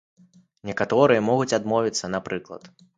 Некаторыя могуць адмовіцца, напрыклад.